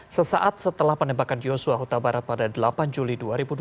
sesaat setelah penembakan yosua huta barat pada delapan juli dua ribu dua puluh